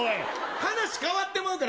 話変わってまうから。